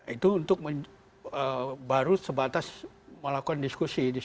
itu untuk baru sebatas melakukan diskusi diskusi